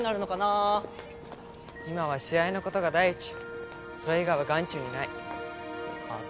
あ今は試合のことが第一それ以外は眼中にないあっ